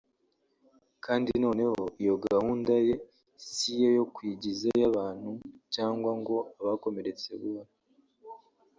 Kandi noneho iyo gahunda ye si iyo kwigiza yo abantu cyangwa ngo abakomeretse buhoro